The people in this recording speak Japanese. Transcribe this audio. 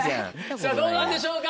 さぁどうなんでしょうか？